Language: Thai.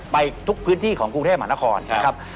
ไปทุกพื้นที่ของกรุงเทพมหานครนะครับ